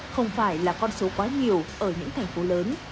không phải là con số quá nhiều ở những thành phố lớn